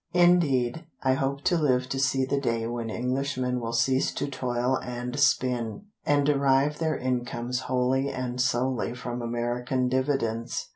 Indeed, I hope to live to see the day When Englishmen will cease to toil and spin, And derive their incomes Wholly and solely from American dividends.